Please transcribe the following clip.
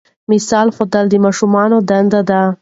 مثال ښودل د ماشومانو دنده ده.